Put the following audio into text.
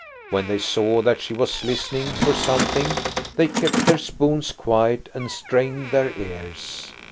When they saw that she was listening for something, they kept their spoons quiet and strained their ears.